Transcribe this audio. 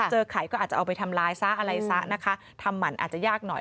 เจอไข่ก็อาจจะเอาไปทำร้ายซะทำหมันอาจจะยากหน่อย